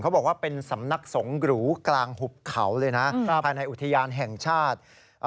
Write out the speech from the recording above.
เขาบอกว่าเป็นศำนักสงคร์ของหรูกลางอุทยานแห่งชาติ